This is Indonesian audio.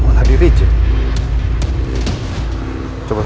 oh makanya saya sudah setir